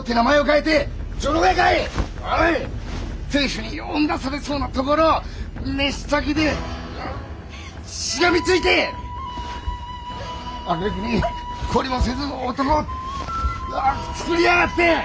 亭主に追んだされそうなところ飯炊きでしがみついてあげくに懲りもせず男をつくりやがって！